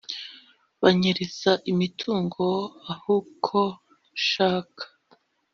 banyereza imitungo ahuko nshaka